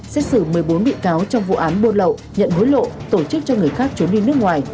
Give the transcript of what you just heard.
xét xử một mươi bốn bị cáo trong vụ án buôn lậu nhận hối lộ tổ chức cho người khác trốn đi nước ngoài